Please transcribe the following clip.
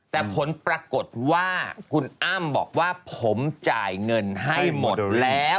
แต่ผลปรากฏว่าคุณอ้ำบอกว่าผมจ่ายเงินให้หมดแล้ว